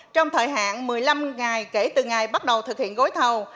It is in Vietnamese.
trong thời hạn một mươi năm ngày kể từ ngày bắt đầu thực hiện gói thầu